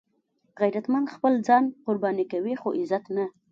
غیرتمند خپل ځان قرباني کوي خو عزت نه